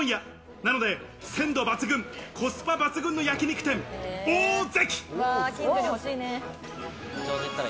なので鮮度抜群、コスパ抜群の焼肉店・大関。